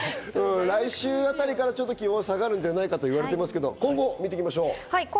来週あたりから気温が下がるんじゃないかと言われてますが、今後を見てみましょう。